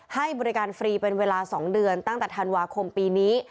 ให้บริการฟรีเป็นเวลา๒เดือนตั้งแต่ธันวาคมปีนี้